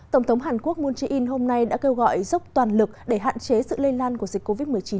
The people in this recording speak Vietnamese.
tổng thống hàn quốc moon jae in hôm nay đã kêu gọi dốc toàn lực để hạn chế sự lây lan của dịch covid một mươi chín